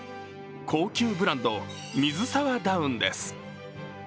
高級ブランド・水沢ダウンです。